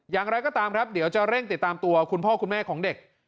อย่างไรก็ตามครับเดี๋ยวจะเร่งติดตามตัวคุณพ่อคุณแม่ของเด็ก